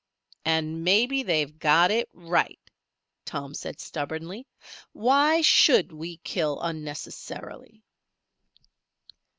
"And maybe they've got it right," Tom said stubbornly. "Why should we kill unnecessarily?"